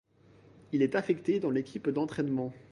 Il est affecté dans l'équipe d'entrainement.